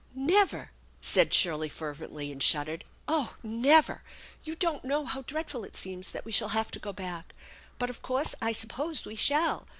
" Never !" said Shirley fervently, and shuddered. " Oh, never ! You don't know how dreadful it seems that we shall have to go back. But of course I suppose we shall.